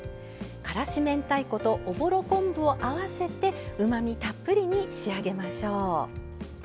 からし明太子とおぼろ昆布を合わせてうまみたっぷりに仕上げましょう。